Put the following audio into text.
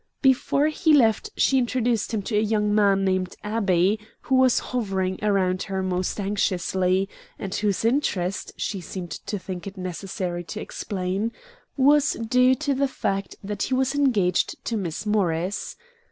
Before he left she introduced him to a young man named Abbey, who was hovering around her most anxiously, and whose interest, she seemed to think it necessary to explain, was due to the fact that he was engaged to Miss Morris.